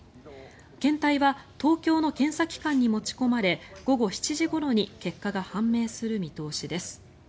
検体は東京の検査機関に持ち込まれ午後７時ごろに結果が判明する見通しです。